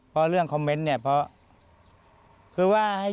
ไม่อยากให้มองแบบนั้นจบดราม่าสักทีได้ไหม